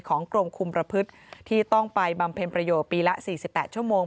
กรมคุมประพฤติที่ต้องไปบำเพ็ญประโยชน์ปีละ๔๘ชั่วโมง